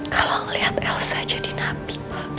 kalau ngeliat elsa jadi nabi pak